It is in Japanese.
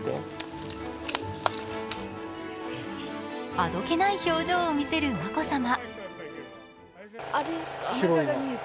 あどけない表情を見せる眞子さま。